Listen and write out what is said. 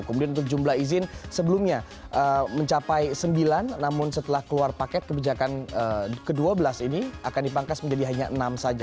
kemudian untuk jumlah izin sebelumnya mencapai sembilan namun setelah keluar paket kebijakan ke dua belas ini akan dipangkas menjadi hanya enam saja